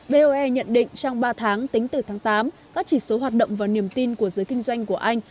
boe nhận định trong ba tháng tính từ tháng tám các chỉ số hoạt động và niềm tin của giới kinh doanh của anh